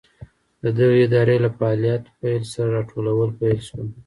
د دغې ادارې له فعالیت پیل سره راټولول پیل شول.